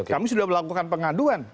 kami sudah melakukan pengaduan